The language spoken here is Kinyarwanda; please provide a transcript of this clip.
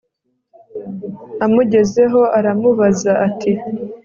amugezeho aramubaza ati